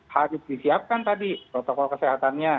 harus disiapkan tadi protokol kesehatannya